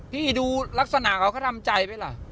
พี่ดูลักษณะเขาก็ทำใจไปล่ะ